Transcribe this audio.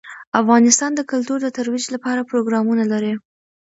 افغانستان د کلتور د ترویج لپاره پروګرامونه لري.